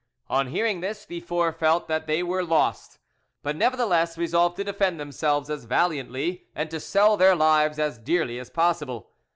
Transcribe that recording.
On hearing this, the four felt that they were lost, but nevertheless resolved to defend themselves as valiantly and to sell their lives as dearly as possible.